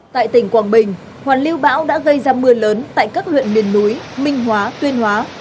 tại tỉnh quảng bình hoàn lưu bão đã gây ra mưa lớn tại các huyện miền núi minh hóa tuyên hóa